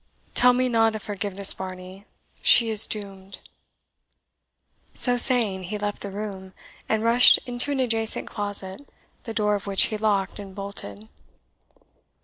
Tell me not of forgiveness, Varney she is doomed!" So saying, he left the room, and rushed into an adjacent closet, the door of which he locked and bolted.